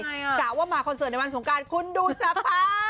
กะว่ามาคอนเสิร์ตในวันสงการคุณดูสภาพ